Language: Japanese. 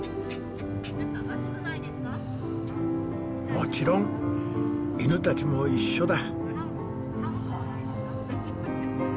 もちろん犬たちも一緒だ。